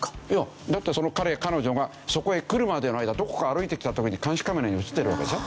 だってその彼彼女がそこへ来るまでの間どこか歩いてきた時に監視カメラに映ってるわけでしょ？